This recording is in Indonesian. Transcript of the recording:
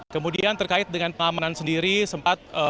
kemudian terkait dengan pengamanan sendiri sempat